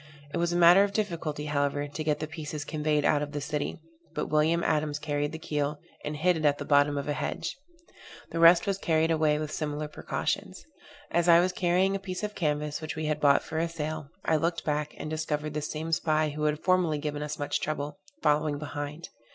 It was a matter of difficulty, however, to get the pieces conveyed out of the city; but William Adams carried the keel, and hid it at the bottom of a hedge: the rest was carried away with similar precautions. As I was carrying a piece of canvas, which we had bought for a sail, I looked back, and discovered the same spy, who had formerly given us much trouble, following behind.